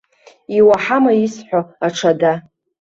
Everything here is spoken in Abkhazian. Иуаҳама исҳәо, аҽада?!